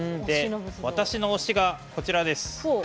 私の推しがこちらです。